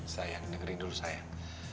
sayang dengerin dulu sayang